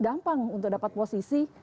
dampang untuk dapat posisi